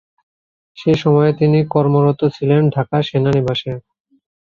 সে সময়ে তিনি কর্মরত ছিলেন ঢাকা সেনানিবাসে।